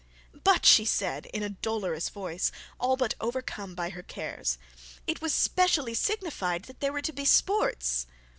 'But,' said she in dolorous voice, all but overcome by her cares; 'it was specially signified that there were to be sports.'